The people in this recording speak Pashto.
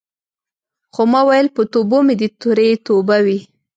خو ما ویل په توبو مې دې ترې توبه وي.